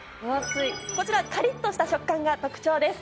こちらカリっとした食感が特徴です。